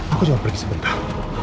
aku jangan pergi sebentar